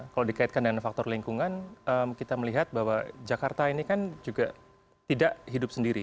kalau dikaitkan dengan faktor lingkungan kita melihat bahwa jakarta ini kan juga tidak hidup sendiri